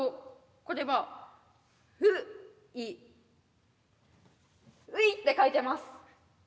これはういういって書いてます。